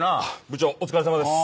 部長お疲れさまです。